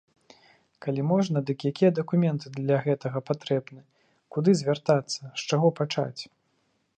Калі можна, дык якія дакументы для гэтага патрэбныя, куды звяртацца, з чаго пачаць?